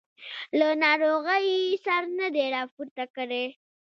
له ناروغۍ یې سر نه دی راپورته کړی.